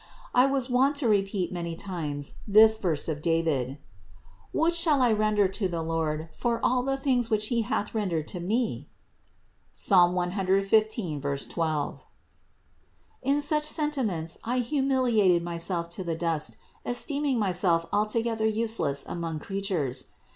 I was wont to repeat many times this verse of David : "What shall I render to the Lord for all the things that he hath rendered to me?" (Ps. 115, 12). In such sentiments I humiliated myself to the dust, esteeming myself altogether useless among creatures.